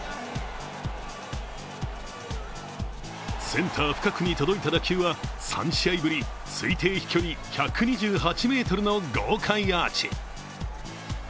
センター深くに届いた打球は３試合ぶり、推定飛距離１２８ｍの豪快アーチ。